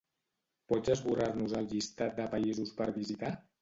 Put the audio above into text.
Pots esborrar-nos el llistat de països per visitar?